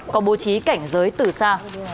có bố trí cảnh giới từ xa